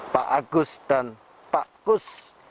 pak agus dan pak kus